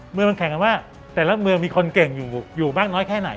เมืองมันแข่งกันว่าแต่ละเมืองมีคนเก่งอยู่บ้างน้อยแค่ไหน